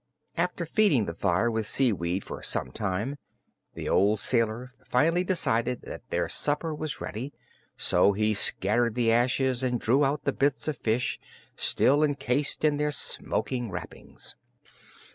After feeding the fire with seaweed for some time, the sailor finally decided that their supper was ready, so he scattered the ashes and drew out the bits of fish, still encased in their smoking wrappings.